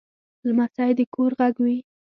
لمسی د کور غږ وي.